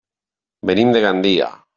Venim de Gandia.